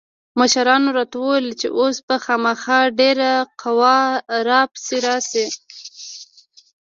مشرانو راته وويل چې اوس به خامخا ډېره قوا را پسې راسي.